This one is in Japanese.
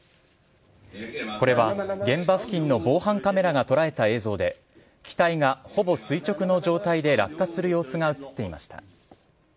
これは、現場付近の防犯カメラが捉えた映像で、機体がほぼ垂直の状態で落下する様子が写っていました。